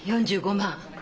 ４５万。